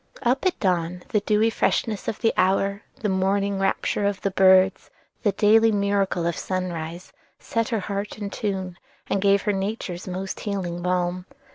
Up at dawn, the dewy freshness of the hour, the morning rapture of the birds, the daily miracle of sunrise, set her heart in tune, and gave her Nature's most healing balm.